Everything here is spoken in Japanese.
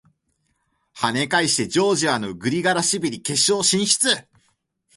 跳ね返してジョージアのグリガラシビリ決勝進出！